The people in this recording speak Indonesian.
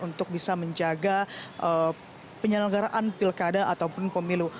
untuk bisa menjaga penyelenggaraan pilkada ataupun pemilu